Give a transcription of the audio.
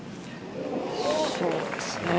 そうですね。